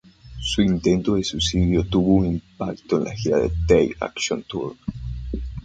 Su intento de suicidio tuvo un impacto para la gira de Take Action Tour.